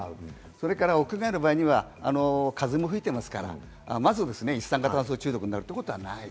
それから屋外の場合は風も吹いていますから、まず一酸化炭素中毒になることはない。